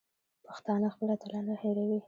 پښتانه خپل اتلان نه هېروي.